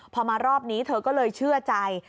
พอมารอบนี้เธอก็เลยเชื่อใจ